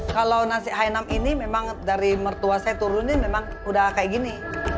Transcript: kalau nasi hai nam ini memang dari mertua saya turunin memang udah kayak gini